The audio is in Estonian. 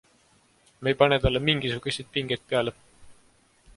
Me ei pane talle mingisuguseid pingeid peale.